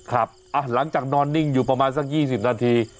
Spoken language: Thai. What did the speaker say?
ครับหลังจากนอนนิ่งอยู่ประมาณสัก๒๐นาที